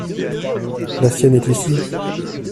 La sienne est ici.